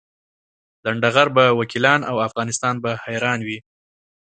لنډه غر به وکیلان او افغانستان به حیران وي.